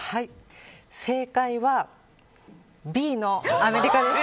正解はＢのアメリカです。